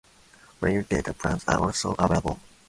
Flexible data plans are also available.